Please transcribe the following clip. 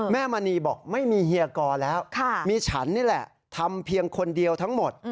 มณีบอกไม่มีเฮียกอแล้วมีฉันนี่แหละทำเพียงคนเดียวทั้งหมด